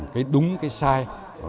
cái đúng cái sai